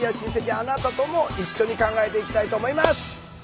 あなたとも一緒に考えていきたいと思います。